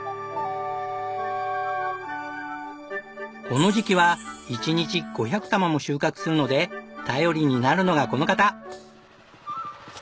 この時期は一日５００玉も収穫するので頼りになるのがこの方。